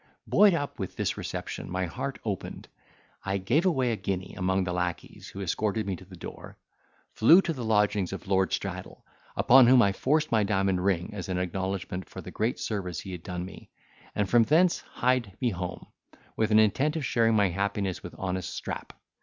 Buoyed up with this reception, my heart opened; I gave away a guinea, among the lacqueys, who escorted me to the door, flew to the lodgings of Lord Straddle, upon whom I forced my diamond ring as an acknowledgment for the great service he had done me, and from thence hied me home, with an intent of sharing my happiness with honest Strap.